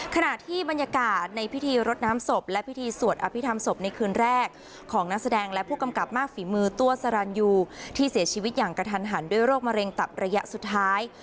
ขณะที่บรรยากาศในพิธีรดน้ำศพและพิธีสวดอภิษฐรรมศพในคืนแรกของนักแสดงและผู้กำกับมากฝีมือตัวสรรยูที่เสียชีวิตอย่างกระทันหันด้วยโรคมะเร็งตับระยะสุดท้าย